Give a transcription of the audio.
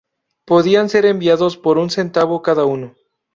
Podían ser enviados por un centavo cada uno.